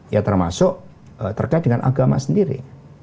ya termasuk terkait dengan agama sendiri